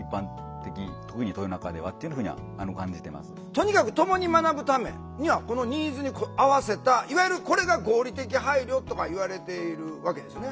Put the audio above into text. とにかくともに学ぶためにはこのニーズに合わせたいわゆるこれが合理的配慮とかいわれているわけですよね？